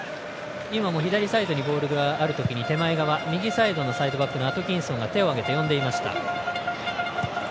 今も左サイドにボールがある時手前側、右サイドのサイドバックのアトキンソンが手を上げて呼んでいました。